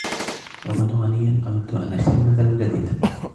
لو كنتُ غنياً, أود أن أشتري منزلاً جميلاً.